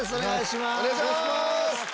お願いします。